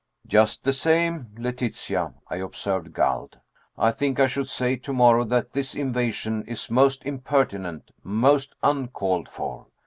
"Just the same, Letitia," I observed, galled, "I think I should say to morrow that this invasion is most impertinent most uncalled for."